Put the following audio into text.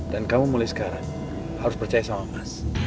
dan kamu mulai sekarang harus percaya sama mas